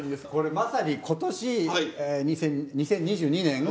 まさに今年２０２２年